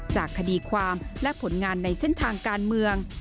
จากคดีความและผลงานในเส้นทางการเมือง